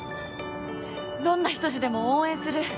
どんな仁でも応援する。